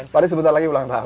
tadi sebentar lagi ulang tahun